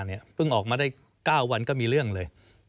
เพิ่งออกมาได้๙วันก็มีเรื่องเลย